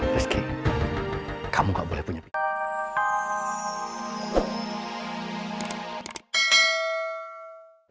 reski kamu gak boleh punya pikiran